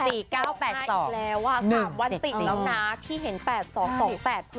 อีกแล้วว่าสามวันติดแล้วนะที่เห็น๘๒๒๘โผล่มาก